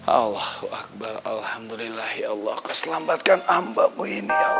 allah akbar alhamdulillah ya allah keselamatkan hamba mu ini allah